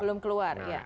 belum keluar iya